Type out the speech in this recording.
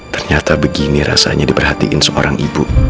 ternyata begini rasanya diperhatiin seorang ibu